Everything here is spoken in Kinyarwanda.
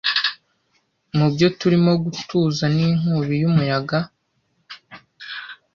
Mubyo turimo gutuza ninkubi y'umuyaga,